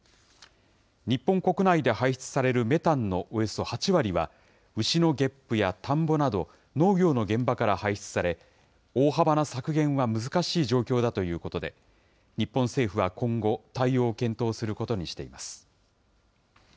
日本国内で排出されるメタンのおよそ８割は、牛のげっぷや田んぼなど、農業の現場から排出され、大幅な削減は難しい状況だということで、日本政府は今後、対応を検討することにしています。